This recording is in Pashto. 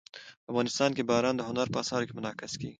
افغانستان کې باران د هنر په اثار کې منعکس کېږي.